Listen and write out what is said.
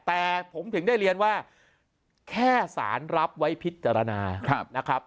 แต่ผมถึงได้เรียนว่าแค่สารรับไว้พิจารณานะครับ